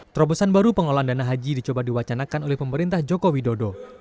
terobosan baru pengelolaan dana haji dicoba diwacanakan oleh pemerintah joko widodo